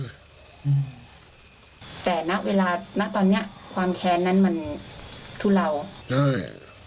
แต่นะเวลานั้น